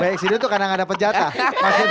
by accident itu kadang kadang ada pejata maksudnya